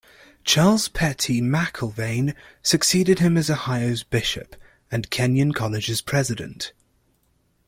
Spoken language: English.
Charles Pettit McIlvaine succeeded him as Ohio's bishop and Kenyon College's president.